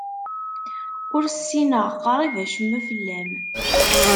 Ur ssineɣ qrib acemma fell-am.